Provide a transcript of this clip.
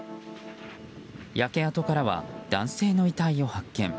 焼け跡からは男性の遺体を発見。